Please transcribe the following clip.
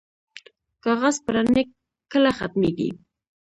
کاغذ پراني کله ختمیږي؟